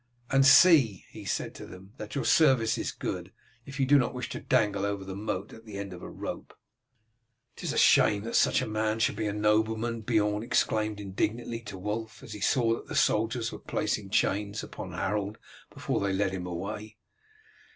"And see," he said to them, "that your service is good, if you do not wish to dangle over the moat at the end of a rope." "It is a shame that such a man should be a nobleman," Beorn exclaimed indignantly to Wulf, as he saw that the soldiers were placing chains upon Harold before they led him away.